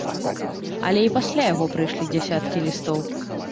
Але і пасля яго прыйшлі дзясяткі лістоў.